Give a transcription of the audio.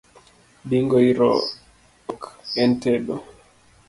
Bingo iro ok en tedo